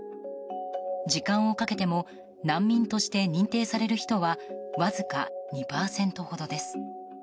時間をかけても難民として認定される人はわずか２％ほどです。